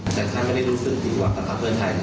แต่ใครไม่ได้รู้สึกผิดหวังต่างเพื่อถ่ายของข้ารายการ